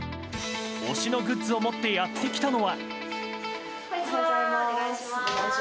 推しのグッズを持ってやってきたのは。